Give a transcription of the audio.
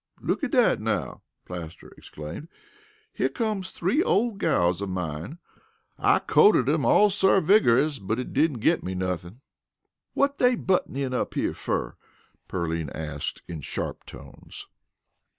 "Look at dat, now!" Plaster exclaimed. "Here comes three ole gals of mine. I co'ted 'em all servigerous but it didn't git me nothin'." "Whut dey buttin' in here fer?" Pearline asked in sharp tones.